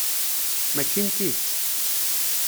Mačči n tidet.